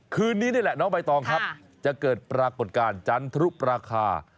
คืนนี้นี่แหละน้องใบตองครับจะเกิดปรากฏการณ์จันทรุปราคา